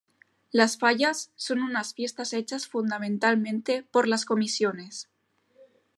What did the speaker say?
Las fallas son unas fiestas hechas fundamentalmente por las comisiones.